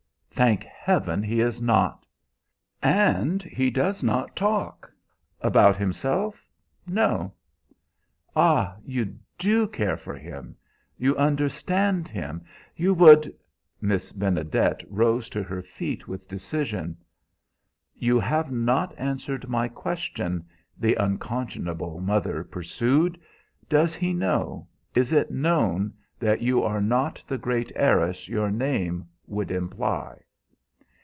"Thank Heaven he is not." "And he does not talk" "About himself. No." "Ah, you do care for him! You understand him. You would" Miss Benedet rose to her feet with decision. "You have not answered my question," the unconscionable mother pursued. "Does he know is it known that you are not the great heiress your name would imply?"